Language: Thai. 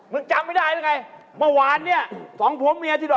เมื่อไหนอ้าว